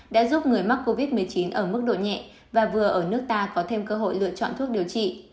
đã giúp người mắc covid một mươi chín ở mức độ nhẹ và vừa ở nước ta có thêm cơ hội lựa chọn thuốc điều trị